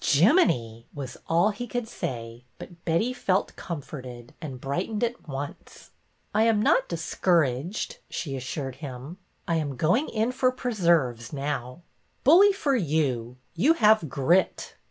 Jiminy! was all he could say, but Betty felt comforted, and brightened at once. I am not discouraged," she assured him. '' I am going in for preserves now." '' Bully for you! You have grit."